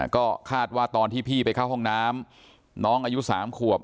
ก็คาดว่าตอนที่พี่ไปเข้าห้องน้ำน้องอายุ๓ขวบ